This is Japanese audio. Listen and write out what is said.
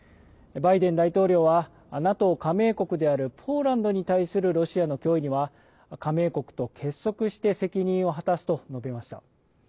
バイデン大統領は、ＮＡＴＯ加盟国であるポーランドに対するロシアの脅威には、加盟国と結束して責任を果たすと述べました。